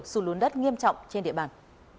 xù lún đất nghiêm trọng trên địa bàn